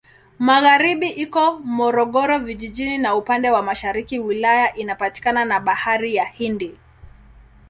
Magharibi iko Morogoro Vijijini na upande wa mashariki wilaya inapakana na Bahari ya Hindi.